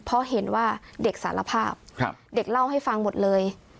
เพราะเห็นว่าเด็กสารภาพเด็กเล่าให้ฟังหมดเลย